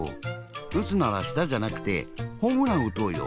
うつならしたじゃなくてホームランうとうよ。